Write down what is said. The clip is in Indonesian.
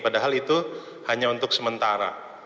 padahal itu hanya untuk sementara